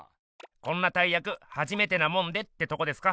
こんな大やくはじめてなもんでってとこですか？